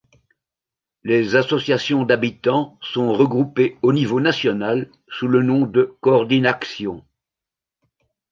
Les associations d'habitants sont regroupées au niveau national sous le nom de coordinaction.